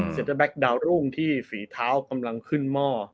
เตอร์แก๊กดาวรุ่งที่ฝีเท้ากำลังขึ้นหม้อ